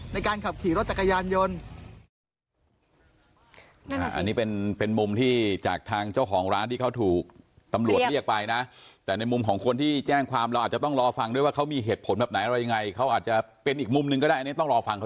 ในการขับขี่รถจักรยานยนต์